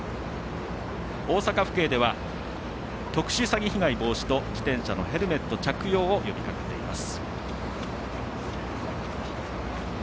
大阪府警では特殊詐欺被害防止と自転車のヘルメット着用を呼びかけています。